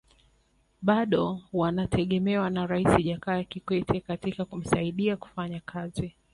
Bado wanategemewa na Rais Jakaya Kikwete katika kumsaidia kufanya kazi